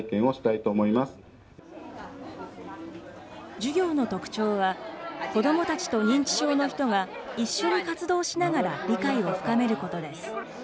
授業の特徴は、子どもたちと認知症の人が一緒に活動しながら理解を深めることです。